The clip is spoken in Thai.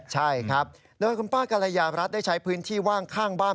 ใช่ครับโดยคุณป้ากรยารัฐได้ใช้พื้นที่ว่างข้างบ้าน